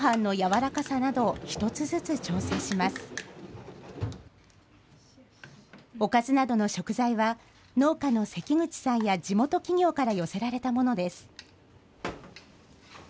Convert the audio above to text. おかずなどの食材は、農家の関口さんや地元企業から寄せられたものです。